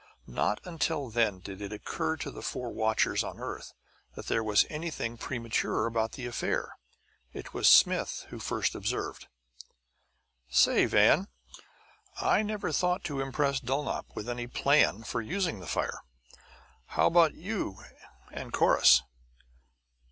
Not until then did it occur to the four watchers on the earth that there was anything premature about the affair. It was Smith who first observed: "Say, Van, I never thought to impress Dulnop with any plan for using the fire. How about you and Corrus?"